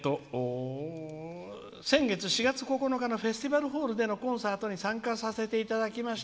「先月、４月９日のフェスティバルホールでのコンサートに参加させていただきました。